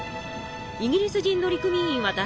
イギリス人乗組員はだっ